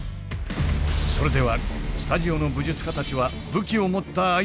それではスタジオの武術家たちは武器を持った相手にどう対処するのか。